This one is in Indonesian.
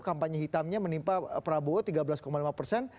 kampanye hitamnya menimpa prabowo tiga belas lima persen